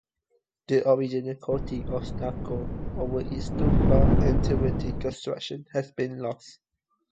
The original coating of stucco over its tufa and travertine construction has been lost.